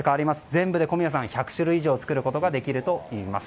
全部で１００種類以上作ることができるといいます。